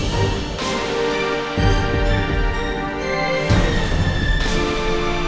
baik kita akan berjalan